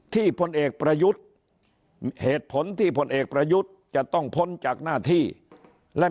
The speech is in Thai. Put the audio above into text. พลเอกประยุทธ์เหตุผลที่พลเอกประยุทธ์จะต้องพ้นจากหน้าที่และ